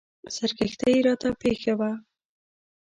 سرګښتۍ راته پېښه وه.